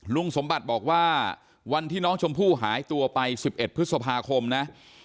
ลุงสมบัติบอกว่าวันที่น้องชมพู่หายตัวไป๑๑พฤษภาคมนะ